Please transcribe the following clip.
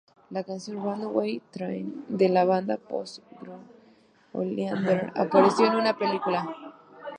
La canción "Runaway Train" de la banda post-grunge, Oleander, apareció en la película.